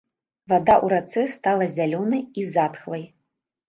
Вада ў рацэ стала зялёнай і затхлай.